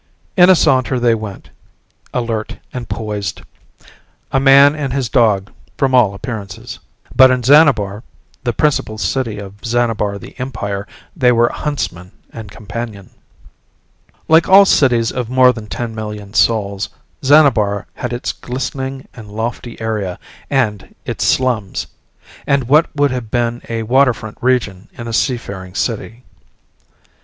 In a saunter they went, alert and poised. A man and his dog from all appearances. But in Xanabar, the principal city of Xanabar the Empire they were huntsman and companion. Like all cities of more than ten million souls, Xanabar had its glistening and lofty area and its slums and what would have been a waterfront region in a seafaring city.